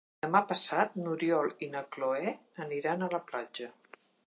Demà passat n'Oriol i na Cloè aniran a la platja.